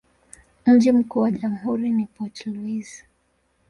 Mji mkuu wa jamhuri ni Port Louis.